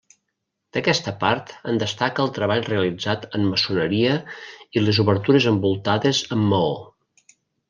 D'aquesta part en destaca el treball realitzat en maçoneria i les obertures envoltades amb maó.